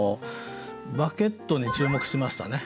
バゲットに注目しましたね。